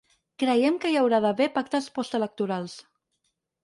Creiem que hi haurà d’haver pactes postelectorals.